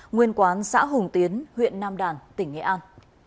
nguyên quán xã hùng tiến huyện nam đàn tỉnh nghệ an